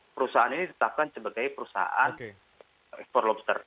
perusahaan ini ditetapkan sebagai perusahaan perlombster